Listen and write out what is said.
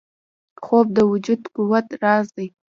خوب د وجود د قوت راز دی